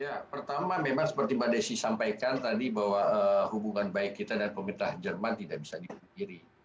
ya pertama memang seperti mbak desi sampaikan tadi bahwa hubungan baik kita dan pemerintah jerman tidak bisa dipungkiri